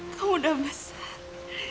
kamu udah besar